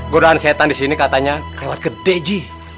godahan setan disini katanya kerewat gede ji